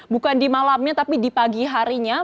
bukan di malamnya tapi di pagi harinya